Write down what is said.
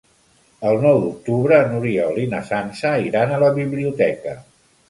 El nou d'octubre n'Oriol i na Sança iran a la biblioteca.